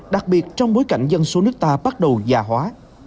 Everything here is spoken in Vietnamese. đặc biệt trong bối cảnh dân số nước ta bắt đầu già hóa